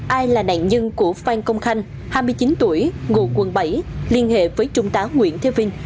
ai là nạn nhân của phan công khanh hai mươi chín tuổi ngụ quận bảy liên hệ với trung tá nguyễn thế vinh